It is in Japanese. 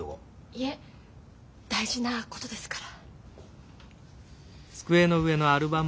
いえ大事なことですから。